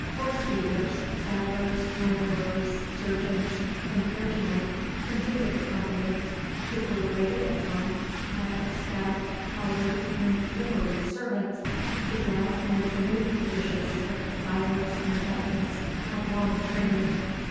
Horse dealers, saddlers, armourers, surgeons, and clergymen completed the company, who were waited upon by a staff of powdered and liveried servants, who brought and removed the dishes with the silence and deftness of long training.